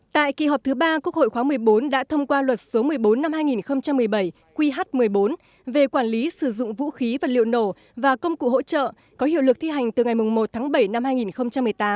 tại kỳ họp thứ ba quốc hội khóa một mươi bốn đã thông qua luật số một mươi bốn năm hai nghìn một mươi bảy qh một mươi bốn về quản lý sử dụng vũ khí vật liệu nổ và công cụ hỗ trợ có hiệu lực thi hành từ ngày một tháng bảy năm hai nghìn một mươi tám